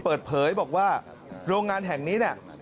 เปิดเผยบอกว่าโรงงานแห่งนี้เนี่ย